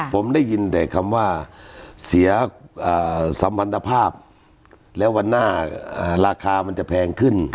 ผมได้ยินแต่คำว่าเสียสัมพันธภาพแล้ววันหน้าราคามันจะแพงขึ้น